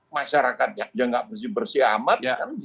masyarakatnya juga tidak bersih bersih amat